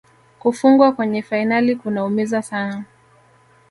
Kufungwa kwenye fainali kunaumiza sana